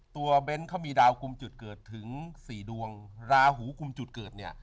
เบ้นเขามีดาวกลุ่มจุดเกิดถึงสี่ดวงราหูกลุ่มจุดเกิดเนี่ย